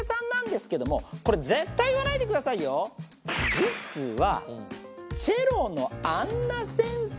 実は。